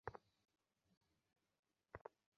সে সম্বন্ধ ঠিক করতে তোমার সাথে কথা বলতে চায়।